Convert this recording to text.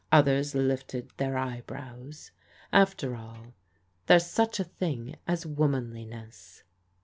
Others lifted their eyebrows. After all, there's such a thing as womanli ness."